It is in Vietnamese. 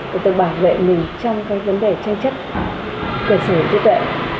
để tự bảo vệ mình trong cái vấn đề tranh chất quyền sử dụng tư tệ